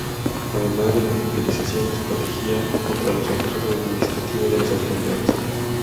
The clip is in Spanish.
Además de evangelización, les protegía contra los abusos administrativos de las autoridades.